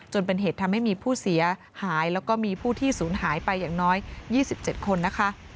จนเป็นเหตุทำให้มีผู้เสียหายแล้วก็มีผู้ที่ศูนย์หายไปอย่างน้อย๒๗คนนะคะ